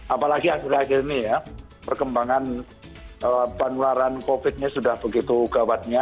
apalagi akhir akhir ini ya perkembangan penularan covid nya sudah begitu gawatnya